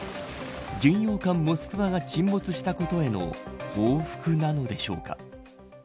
巡洋艦モスクワが沈没したことへの報復なのでしょうか。